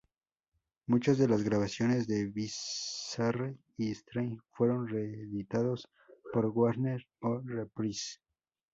Muchas de las grabaciones de Bizarre y Straight fueron reeditados por Warner o Reprise.